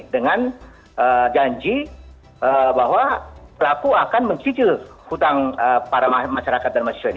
dengan janji bahwa pelaku akan mencicil hutang para masyarakat dan mahasiswa ini